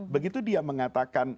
begitu dia mengatakan